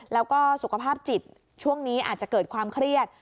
แล้วก็สุขภาพจิตช่วงนี้อาจจะเกิดความเครียด